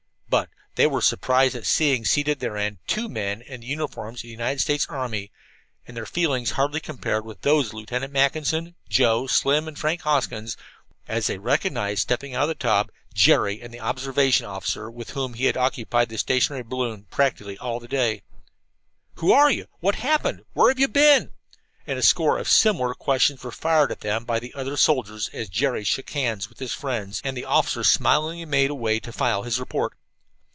But if they were surprised at seeing seated therein two men in the uniforms of the United States army, their feelings hardly compared with those of Lieutenant Mackinson, Joe, Slim and Frank Hoskins, as they recognized, stepping out of the Taube, Jerry and the observation officer with whom he had occupied the stationary balloon practically all of that day. "Who are you?" "What happened?" "Where have you been?" and a score of similar questions were fired at them by the other soldiers as Jerry shook hands with his friends, and the officer smilingly made away to file his report.